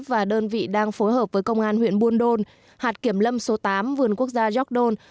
và đơn vị đang phối hợp với công an huyện buôn đôn hạt kiểm lâm số tám vườn quốc gia gióc đôn